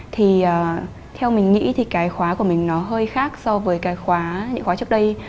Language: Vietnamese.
thì theo mình nghĩ thì cái khóa của mình nó hơi khác so với cái khóa những khóa trước đây